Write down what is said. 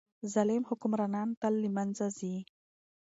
ظالم حکمرانان تل له منځه ځي.